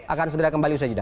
akan segera kembali usai jeda